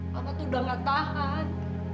bapak tuh udah gak tahan